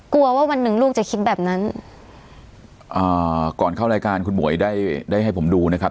กลัวว่าวันหนึ่งลูกจะคิดแบบนั้นอ่าก่อนเข้ารายการคุณหมวยได้ได้ให้ผมดูนะครับ